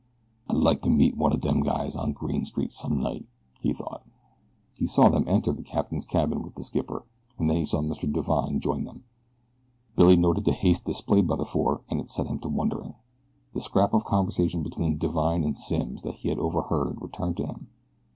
"I'd like to meet one of dem guys on Green Street some night," he thought. He saw them enter the captain's cabin with the skipper, and then he saw Mr. Divine join them. Billy noted the haste displayed by the four and it set him to wondering. The scrap of conversation between Divine and Simms that he had overheard returned to him.